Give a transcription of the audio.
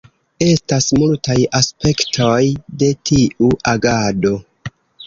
Estas multaj aspektoj de tiu agado.